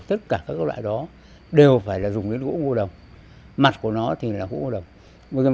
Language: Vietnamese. tất cả các loại đó đều phải là dùng đến gỗ ngô đồng mặt của nó thì là gỗ ngô đồng